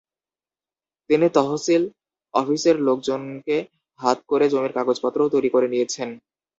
তিনি তহসিল অফিসের লোকজনকে হাত করে জমির কাগজপত্রও তৈরি করে নিয়েছেন।